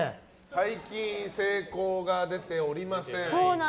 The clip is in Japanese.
最近、成功が出ておりません。